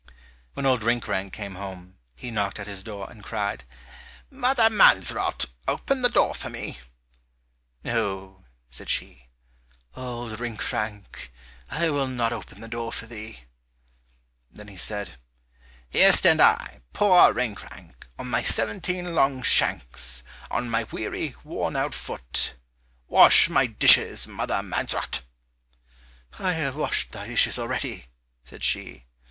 When Old Rinkrank came home, he knocked at his door, and cried, "Mother Mansrot, open the door for me." "No," said she, "Old Rinkrank, I will not open the door for thee." Then he said, "Here stand I, poor Rinkrank, On my seventeen long shanks, On my weary, worn out foot, Wash my dishes, Mother Mansrot." "I have washed thy dishes already," said she.